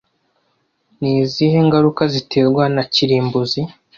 Ni izihe ngaruka ziterwa na kirimbuzi